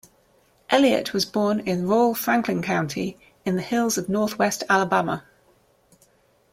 Elliott was born in rural Franklin County in the hills of northwest Alabama.